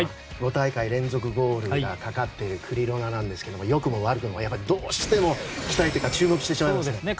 ５大会連続ゴールがかかっているクリロナなんですが良くも悪くもやっぱりどうしても期待というか注目してしまいますよね。